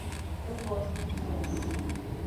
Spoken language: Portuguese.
Eu gosto de jazz.